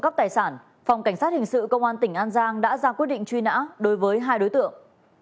bộ cảnh sát hình sự công an tỉnh an giang đã ra quyết định truy nã đối với hai đối tượng